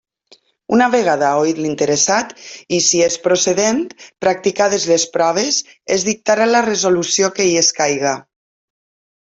Una vegada oït l'interessat i, si és procedent, practicades les proves, es dictarà la resolució que hi escaiga.